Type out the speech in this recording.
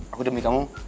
aku demi kamu